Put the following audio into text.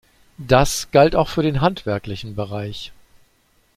Das galt auch für den handwerklichen Bereich.